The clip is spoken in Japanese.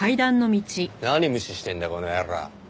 何無視してんだこの野郎。